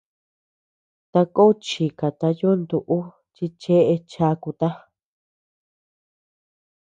Tako chikata yuntu ú chi cheʼe chakuta.